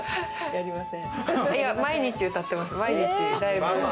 毎日歌ってます。